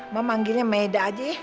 mbak manggilnya maeda aja